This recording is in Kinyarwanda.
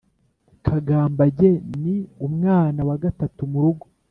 kagambage ni umwana wa gatatu murugo